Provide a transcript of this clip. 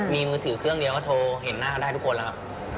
มีมือถือเครื่องเดียวก็โทรเห็นหน้าเขาได้ทุกคนแล้วครับ